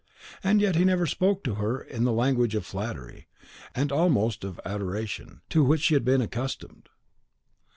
And yet he never spoke to her in the language of flattery, and almost of adoration, to which she had been accustomed.